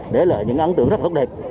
để lợi những ấn tượng rất là tốt đẹp